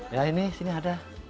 ya ini sini ada